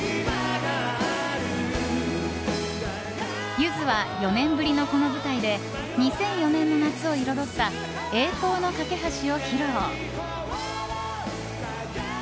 ゆずは４年ぶりのこの舞台で２００４年の夏を彩った「栄光の架橋」を披露。